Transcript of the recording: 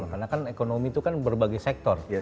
karena kan ekonomi itu kan berbagai sektor